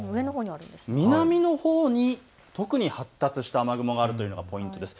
南のほうに特に発達した雨雲があるのがポイントです。